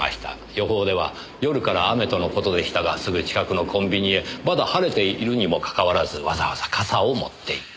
予報では夜から雨との事でしたがすぐ近くのコンビニへまだ晴れているにもかかわらずわざわざ傘を持っていった。